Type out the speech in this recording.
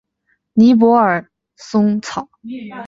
尼泊尔嵩草为莎草科嵩草属下的一个种。